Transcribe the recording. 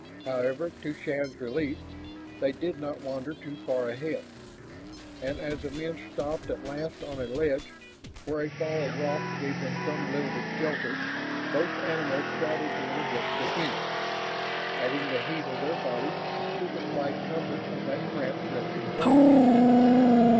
However, to Shann's relief, they did not wander too far ahead. And as the men stopped at last on a ledge where a fall of rock gave them some limited shelter both animals crowded in against the humans, adding the heat of their bodies to the slight comfort of that cramped resting place.